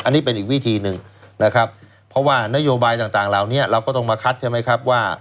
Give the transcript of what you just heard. อันนี้เป็นอีกวิธีหนึ่งนะครับเพราะว่านโยบายต่างเหล่านี้เราก็ต้องมาคัดใช่ไหมครับว่า